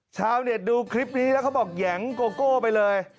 ชาวเน็ตดูคลิปนี้แล้วเขาบอกแหยงโกโก้ไปเลย